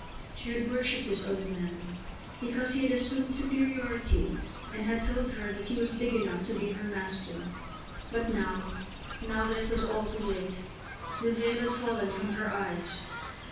She had worshipped this other man because he had assumed superiority and had told her that he was big enough to be her master. But now, now that it was all too late, the veil had fallen from her eyes.